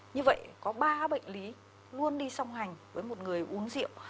như vậy có ba bệnh lý luôn đi song hành với một người uống rượu